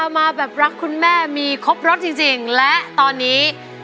มาแบบรักคุณแม่มีครบรสจริงและตอนนี้